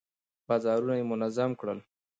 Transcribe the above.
بازارونه يې منظم کړل.